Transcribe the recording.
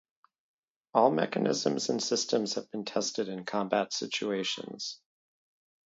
All mechanisms and systems have been tested in combat conditions.